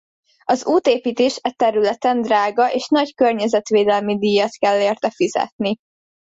Az útépítés e területen drága és nagy környezetvédelmi díjat kell érte fizetni.